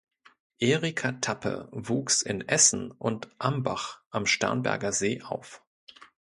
Erika Tappe wuchs in Essen und Ambach am Starnberger See auf.